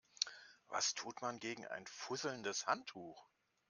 Was tut man gegen ein fusselndes Handtuch?